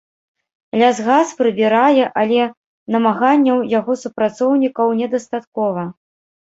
Лясгас прыбірае, але намаганняў яго супрацоўнікаў недастаткова.